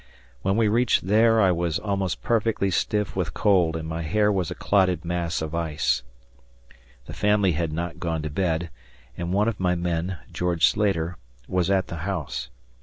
When we reached there, I was almost perfectly stiff with cold, and my hair was a clotted mass of ice. The family had not gone to bed, and one of my men, George Slater, was at the house.